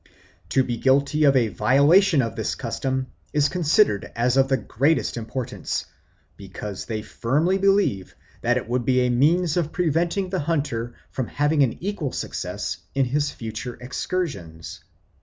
To be guilty of a violation of this custom is considered as of the greatest importance; because they firmly believe that it would be a means of preventing the hunter from having an equal success in his future excursions."